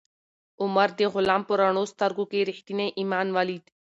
عمر د غلام په رڼو سترګو کې ریښتینی ایمان ولید.